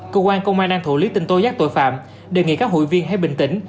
cơ quan công an đang thủ lý tình tối giác tội phạm đề nghị các hội viên hãy bình tĩnh